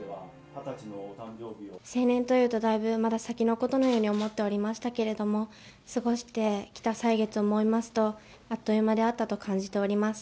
成年というと、だいぶまだ先のことのように思っておりましたけれども、過ごしてきた歳月を思いますと、あっという間であったと感じております。